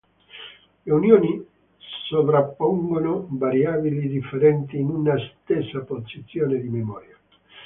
Le unioni sovrappongono variabili differenti in una stessa posizioni di memoria.